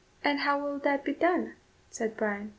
"And how will that be done?" said Bryan.